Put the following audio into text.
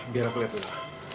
biar aku lihat dulu